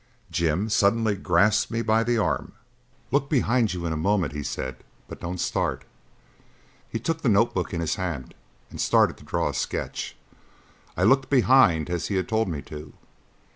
Jim suddenly grasped me by the arm. "Look behind you in a moment," he said, "but don't start!" He took the notebook in his hand and started to draw a sketch. I looked behind as he had told me to.